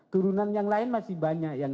turunan yang lain masih banyak yang